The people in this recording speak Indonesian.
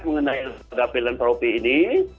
mengenai pilantropi ini